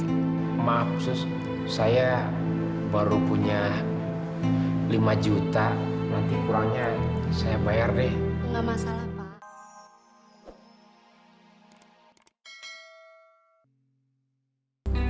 hai maksud saya baru punya lima juta nanti kurangnya saya bayar deh enggak masalah pak